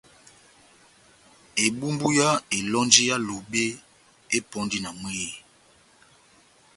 Ebumbu yá elɔnji yá Lobe epɔndi na mwehé.